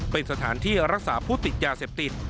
เป็นสถานที่รักษาผู้ติดยาเสพติด